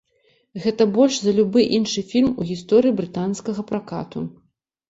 Гэта больш за любы іншы фільм у гісторыі брытанскага пракату.